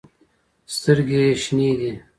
سترګې ېې شنې دي